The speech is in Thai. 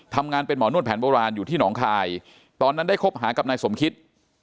ทำงานเป็นหมอนวดแผนโบราณอยู่ที่หนองคายตอนนั้นได้คบหากับนายสมคิต